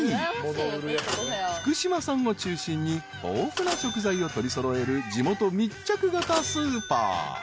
［福島産を中心に豊富な食材を取り揃える地元密着型スーパー］